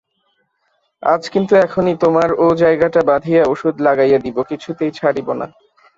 আজ কিন্তু এখনই তোমার ও -জায়গাটা বাঁধিয়া ওষুধ লাগাইয়া দিব–কিছুতেই ছাড়িব না।